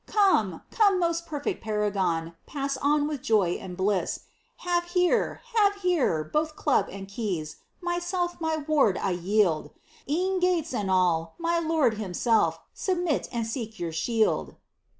Come, come, most perfect paragon, pass on with joy and bliss ; Have here, have here, both club and keys, myself, my ward, I yield, E'en gates and all, my lord himself, submit, and seek your shield."